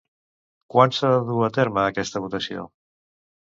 Quan s'ha de dur a terme aquesta votació?